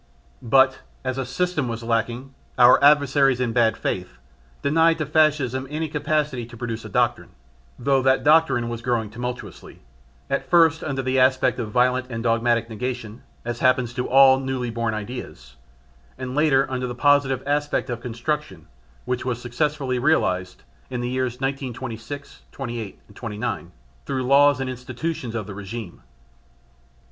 But as a "system" was lacking, our adversaries in bad faith, denied to Fascism any capacity to produce a doctrine, though that doctrine was growing tumultuously, at first under the aspect of violent and dogmatic negation, as happens to all newly born ideas, and later under the positive aspect of construction which was successively realised, in the years 1926 27 28 through the laws and institutions of the regime.